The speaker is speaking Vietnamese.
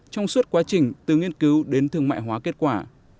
trong suốt quá trình từ nghiên cứu đến thương mại hóa kết quả